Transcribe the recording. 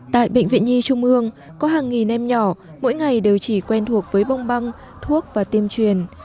tại bệnh viện nhi trung ương có hàng nghìn em nhỏ mỗi ngày đều chỉ quen thuộc với bông băng thuốc và tiêm truyền